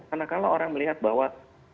karena kalau orang melihat bahwa